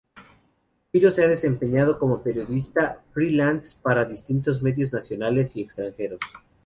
Piro se ha desempeñado como periodista "free-lance" para distintos medios nacionales y extranjeros.